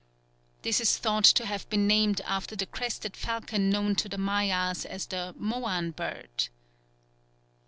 _ This is thought to have been named after the crested falcon known to the Mayas as the Moan bird.